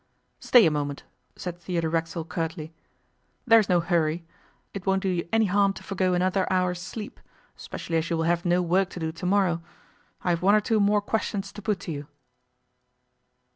'Stay a moment,' said Theodore Racksole curtly; 'there is no hurry. It won't do you any harm to forego another hour's sleep, especially as you will have no work to do to morrow. I have one or two more questions to put to you.